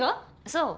そう。